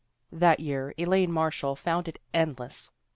That year Elaine Marshall found it endless.